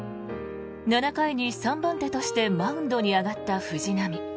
７回に３番手としてマウンドに上がった藤浪。